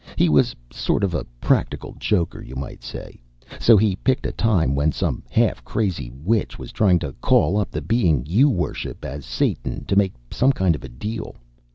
He was sort of a practical joker, you might say. So he picked a time when some half crazy witch was trying to call up the being you worship as Satan to make some kind of a deal.